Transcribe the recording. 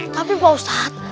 tapi pak ustad